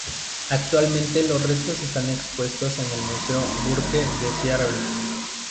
Actualmente los restos están expuestos en el Museo Burke de Seattle.